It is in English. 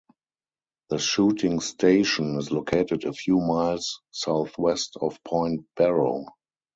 The "Shooting Station," is located a few miles southwest of Point Barrow.